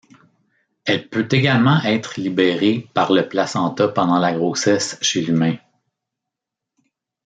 Elle peut également être libérée par le placenta pendant la grossesse, chez l'humain.